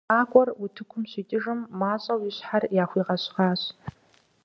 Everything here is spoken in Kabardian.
УэрэджыӀакӀуэр утыкум щикӏыжым, мащӀэу и щхьэр яхуигъэщхъащ.